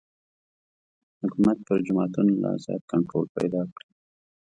حکومت پر جوماتونو لا زیات کنټرول پیدا کړي.